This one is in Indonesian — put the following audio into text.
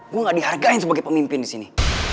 gue gak dihargain sebagai pemimpin disini